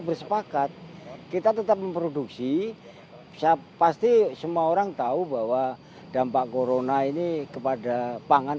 bersepakat kita tetap memproduksi saya pasti semua orang tahu bahwa dampak corona ini kepada pangan